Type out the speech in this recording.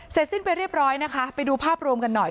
สิ้นไปเรียบร้อยนะคะไปดูภาพรวมกันหน่อย